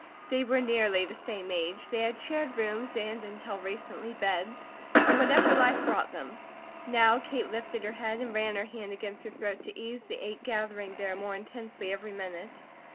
They were nearly the same age; they had shared rooms, and, until recently, beds, and whatever life brought them; now Kate lifted her head and ran her hand against her throat to ease the ache gathering there more intensely every minute.